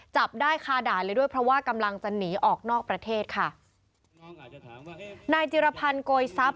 จับได้คาด่านเลยด้วยเพราะว่ากำลังจะหนีออกนอกประเทศค่ะนายจิรพันธ์โกยทรัพย